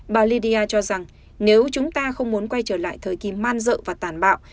bà lydia cho rằng nếu chúng ta không muốn quay trở lại thời kỳ man rợ và tàn bạo